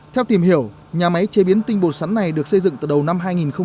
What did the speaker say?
theo tìm hiểu nhà máy chế biến tinh bột sắn này được xây dựng từ đầu năm hai nghìn